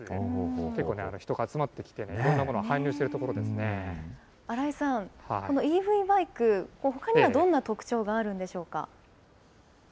結構、人が集まってきていて、いろんなものを搬入しているところ新井さん、このＥＶバイク、ほかにはどんな特徴があるんでしょうか。